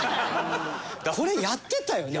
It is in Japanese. これやってたよね？